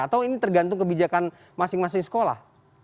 atau ini tergantung kebijakan masing masing sekolah